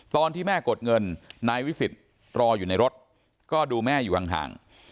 ตอนที่แม่กดเงินนายวิสิทธิ์รออยู่ในรถก็ดูแม่อยู่ห่าง